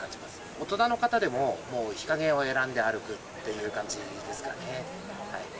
大人の方でも、もう日陰を選んで歩くっていう感じですかね。